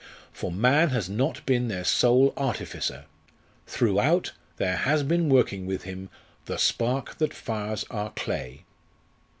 For man has not been their sole artificer! Throughout there has been working with him "the spark that fires our clay."